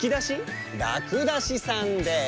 らくだしさんです！